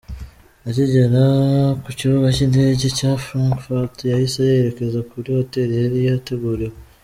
Akigera ku kibuga cy’indege cya Frankfurt yahise yerekeza kuri hotel yari yateguriwe.